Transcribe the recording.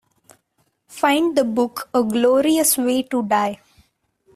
Find the book A Glorious Way to Die